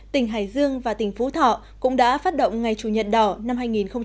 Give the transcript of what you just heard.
tỉnh hải dương và tỉnh phú thọ cũng đã phát động ngày chủ nhật đỏ năm hai nghìn hai mươi